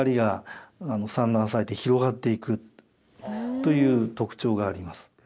という特徴があります。